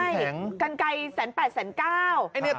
กันไก๑๘๐๐๐๐บาท